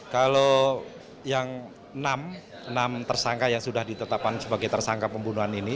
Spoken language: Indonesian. kalau yang enam tersangka yang sudah ditetapkan sebagai tersangka pembunuhan ini